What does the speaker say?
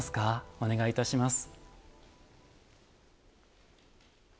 お願いいたします。